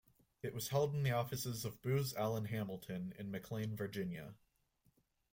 It was held in the offices of Booz Allen Hamilton in McLean, Virginia.